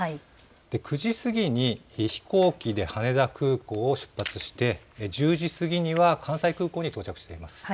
９時過ぎに飛行機で羽田空港を出発して、１０時過ぎには関西空港に到着しています。